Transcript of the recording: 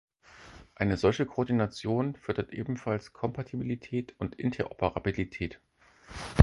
Eine solche Koordination fördert ebenfalls Kompatibilität und Interoperabilität.